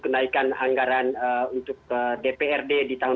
kenaikan anggaran untuk dprd di tahun dua ribu dua puluh